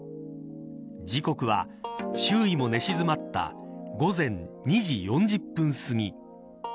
時刻は、周囲も寝静まった午前２時４０分すぎ。